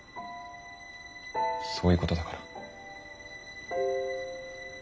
そういうことだから。